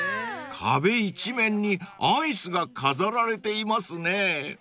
［壁一面にアイスが飾られていますね］